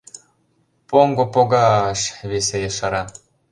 — Поҥго пога-аш! — весе ешара.